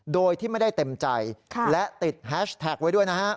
โดยที่ไม่ได้เต็มใจและติดแฮชแท็กไว้ด้วยนะฮะ